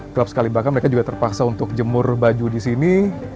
gelap sekali bahkan mereka juga terpaksa untuk jemur baju di sini